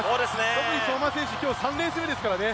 特に相馬選手、今日３レース目ですからね。